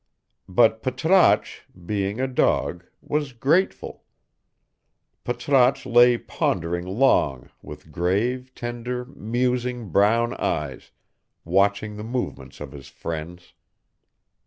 But Patrasche, being a dog, was grateful. Patrasche lay pondering long with grave, tender, musing brown eyes, watching the movements of his friends.